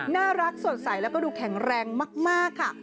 น่ารักสดใสแล้วก็ดูแข็งแรงมากค่ะ